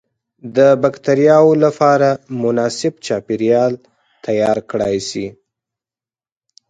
د بکترياوو لپاره مناسب چاپیریال تیار کړای شي.